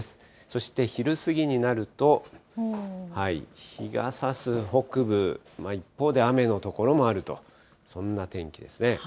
そして昼過ぎになると、日がさす北部、一方で雨の所もあると、そんな天気ですね。